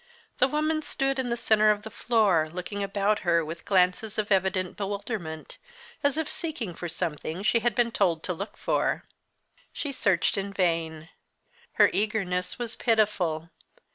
The woman stood in the centre of the floor, looking about her with glances of evident bewilderment, as if seeking for something she had been told to look for. She searched in vain. Her eagerness was pitiful.